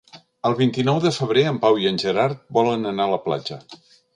El vint-i-nou de febrer en Pau i en Gerard volen anar a la platja.